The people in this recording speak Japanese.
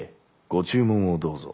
ご注文をどうぞ」。